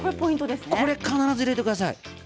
これは必ず入れてください。